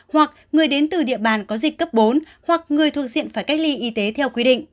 hoặc người đến từ địa bàn có dịch cấp bốn hoặc người thuộc diện phải cách ly y tế theo quy định